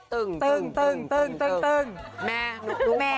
ตึงตึงตึง